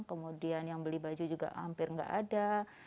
kemudian yang beli baju juga hampir nggak ada